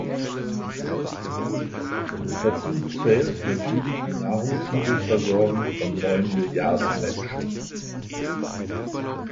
Dazu zählt natürlich die Nahrungsmittelversorgung von neun Milliarden Menschen.